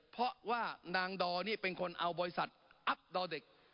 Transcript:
เพราะว่านางดอนี่เป็นคนเอาบริษัทอัพดอร์เด็ก